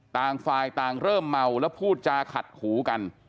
ต่างฝ่ายต่างเริ่มเมาแล้วพูดจาขัดหูกัน